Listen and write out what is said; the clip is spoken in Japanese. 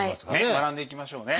学んでいきましょうね。